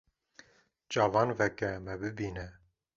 Çavan veke me bibîne